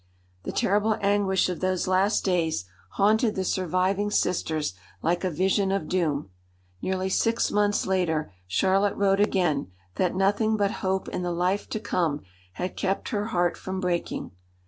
The terrible anguish of those last days haunted the surviving sisters like a vision of doom. Nearly six months later Charlotte wrote again that nothing but hope in the life to come had kept her heart from breaking.